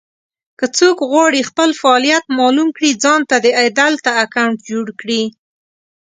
که څوک غواړي خپل فعالیت مالوم کړي ځانته دې دلته اکونټ جوړ کړي.